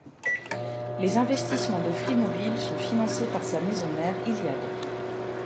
Les investissements de Free Mobile sont financés par sa maison mère Iliad.